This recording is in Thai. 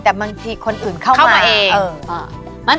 แต่บางทีคนอื่นเข้ามาเอง